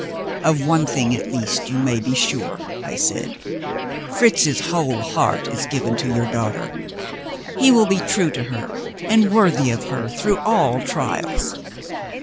"Of one thing at least you may be sure." I said. "Fritz's whole heart is given to your daughter. He will be true to her, and worthy of her, through all trials."